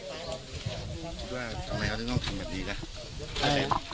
คิดว่าทำไมเราถึงต้องทำแบบนี้ล่ะ